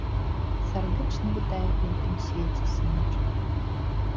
Сардэчна вітаю ў гэтым свеце, сыночак.